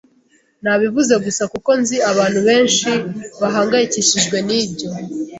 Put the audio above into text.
Nabivuze gusa kuko nzi abantu benshi bahangayikishijwe nibyo